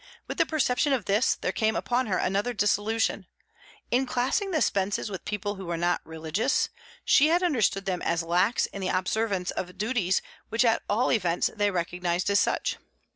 With the perception of this, there came upon her another disillusion In classing the Spences with people who were not "religious," she had understood them as lax in the observance of duties which at all events they recognized as such.